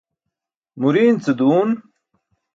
Muriin ce duun.